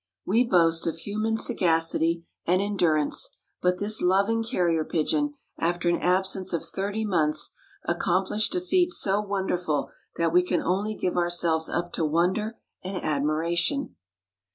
We boast of human sagacity and endurance, but this loving carrier pigeon, after an absence of thirty months, accomplished a feat so wonderful that we can only give ourselves up to wonder and admiration.